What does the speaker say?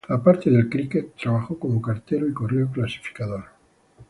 Aparte del críquet, trabajó como cartero y correo clasificador.